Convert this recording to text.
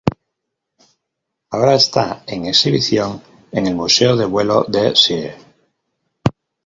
Ahora está en exhibición en el Museo de Vuelo de Seattle.